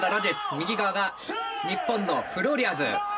右側が日本のフローリアーズ。